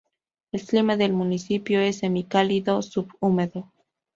El clima del municipio es semicálido subhúmedo.